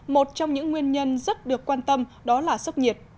một trong những nguyên nhân rất được quan tâm đó là sốc nhiệt